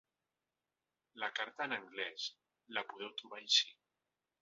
La carta en anglès, la podeu trobar ací.